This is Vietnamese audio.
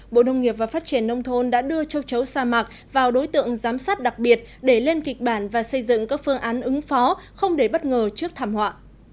bộ nông nghiệp và phát triển nông thôn đã đưa châu chấu sa mạc vào đối tượng giám sát đặc biệt để lên kịch bản và xây dựng các phương án ứng phó không để bất ngờ trước thảm họa